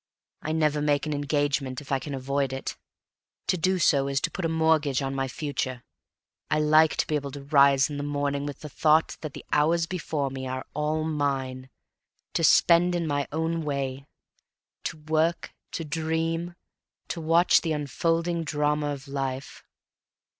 I never make an engagement if I can avoid it. To do so is to put a mortgage on my future. I like to be able to rise in the morning with the thought that the hours before me are all mine, to spend in my own way to work, to dream, to watch the unfolding drama of life.